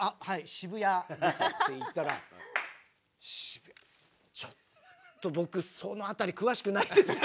渋谷です」って言ったら「渋谷ちょっと僕その辺り詳しくないんですよ」。